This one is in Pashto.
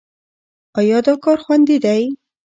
ایا دا کار خوندي دی؟